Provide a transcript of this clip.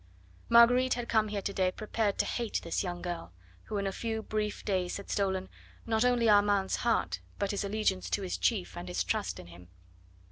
Marguerite had come here to day prepared to hate this young girl, who in a few brief days had stolen not only Armand's heart, but his allegiance to his chief, and his trust in him.